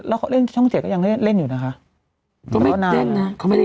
แล้วเขาเล่นช่องเจ็ดก็ยังเล่นเล่นอยู่นะคะก็ไม่เล่นนะเขาไม่ได้